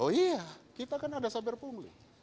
oh iya kita kan ada sabar pungguli